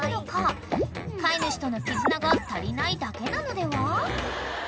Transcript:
［飼い主との絆が足りないだけなのでは？］